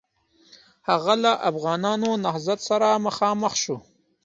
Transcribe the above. هغه له افغانانو نهضت سره مخامخ شو.